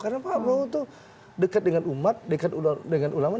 karena pak prabowo itu dekat dengan umat dekat dengan ulama